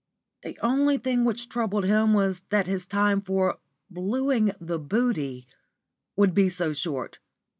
The only thing which troubled him was that his time for "blueing the booty" would be so short.